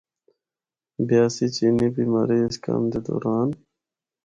بیاسی چینی بھی مرّے اس کم دے دوران۔